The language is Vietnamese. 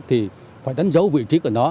thì phải đánh dấu vị trí của nó